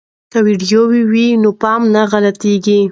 که ویډیو وي نو پام نه غلطیږي.